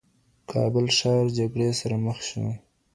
کابل ښار جګړې سره مخ شو